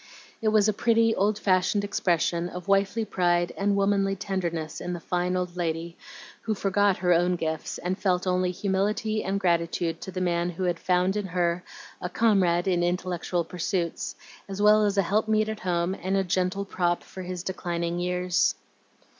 It was a pretty, old fashioned expression of wifely pride and womanly tenderness in the fine old lady, who forgot her own gifts, and felt only humility and gratitude to the man who had found in her a comrade in intellectual pursuits, as well as a helpmeet at home and a gentle prop for his declining years.